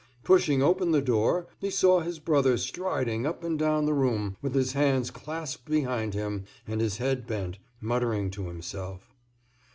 Pushing open the door, he saw his brother striding up and down the room, with his hands clasped behind him and his head bent, muttering to himself.